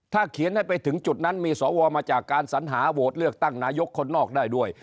ถ้าเขียนให้ไปถึงจุดนั้นมีสวมาจากการสัญหาโหวตเลือกตั้งนายกคนนอกได้ด้วย